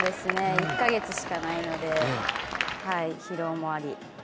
１か月しかないので疲労もあり。